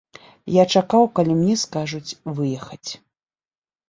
Я чакаў, калі мне скажуць выехаць.